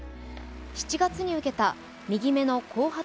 ７月に受けた右目の後発